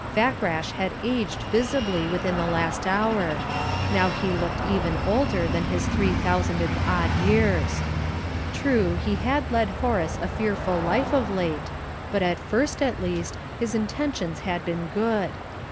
Fakrash had aged visibly within the last hour; now he looked even older than his three thousand and odd years. True, he had led Horace a fearful life of late, but at first, at least, his intentions had been good.